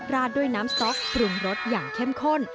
ราดด้วยน้ำซอสปรุงรสอย่างเข้มข้น